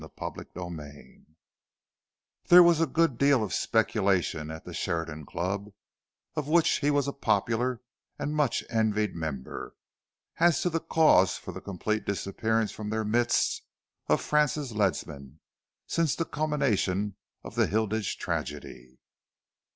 CHAPTER VII There was a good deal of speculation at the Sheridan Club, of which he was a popular and much envied member, as to the cause for the complete disappearance from their midst of Francis Ledsam since the culmination of the Hilditch tragedy.